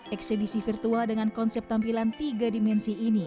eksebisi virtual dengan konsep tampilan tiga dimensi ini